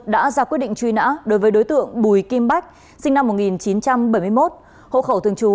đã ra quyết định truy nã đối với đối tượng bùi kim bách sinh năm một nghìn chín trăm bảy mươi một hộ khẩu thường trú